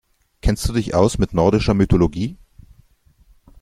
Kennst du dich aus mit nordischer Mythologie?